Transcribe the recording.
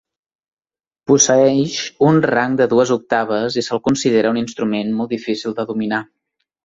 Posseeix un rang de dues octaves i se'l considera un instrument molt difícil de dominar.